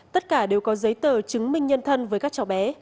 tất cả đều có giấy tờ chứng minh nhân thân với các cháu bé